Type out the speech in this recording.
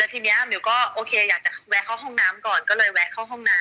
ทีนี้มิวก็โอเคอยากจะแวะเข้าห้องน้ำก่อนก็เลยแวะเข้าห้องน้ำ